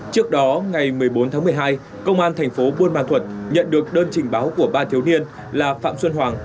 trước đó ngày một mươi bốn tháng một mươi hai công an thành phố buôn ma thuật nhận được đơn trình báo của ba thiếu niên là phạm xuân hoàng